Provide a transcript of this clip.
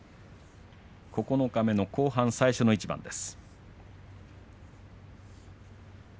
九日目の後半最初の一番です。